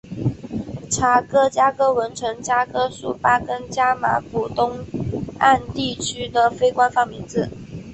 查哥加哥文程加哥术巴根加马古东岸地区的非官方名字。